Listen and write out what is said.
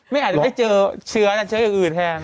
ไม่อาจได้เจอเฉินอย่างอื่นแทน